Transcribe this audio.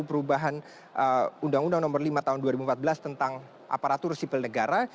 perubahan undang undang nomor lima tahun dua ribu empat belas tentang aparatur sipil negara